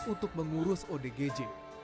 untuk mengurus odgj